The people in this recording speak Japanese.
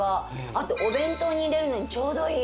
あとお弁当に入れるのにちょうどいい。